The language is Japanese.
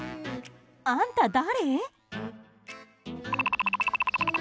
あんた誰？